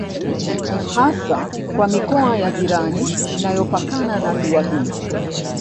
Hasa kwa mikoa ya jirani inayopakana na ziwa hilo